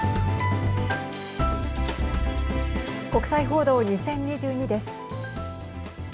国際報道２０２２です。